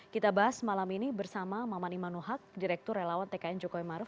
kita bahas malam ini bersama maman imanu haq direktur relawan tkn jokowi ma'ruf